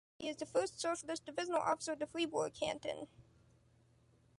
He is the first socialist divisional officer of the Fribourg canton.